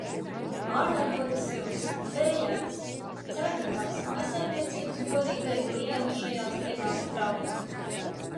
Ārā ļoti silts. Vējains. Carnikavas mājsaimniecības bodītei klientu šajās dienās daudz.